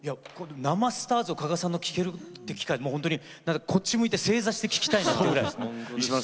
生「ＳＴＡＲＳ」鹿賀さんのを聴けるって機会こっち向いて正座して聴きたいなというぐらい。